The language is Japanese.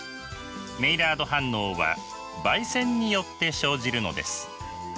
メイラード反応は焙煎によって生じるのです。